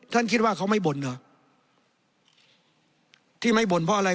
คิดว่าเขาไม่บ่นเหรอที่ไม่บ่นเพราะอะไร